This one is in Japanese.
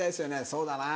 「そうだな」